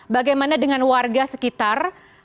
bagaimana dengan warga sekitar